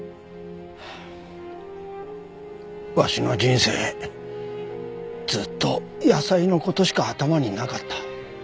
わしの人生ずっと野菜の事しか頭になかった。